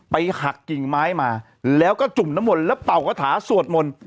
หักกิ่งไม้มาแล้วก็จุ่มน้ำมนต์แล้วเป่ากระถาสวดมนต์